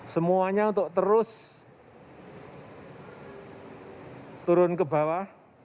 semuanya untuk terus turun ke bawah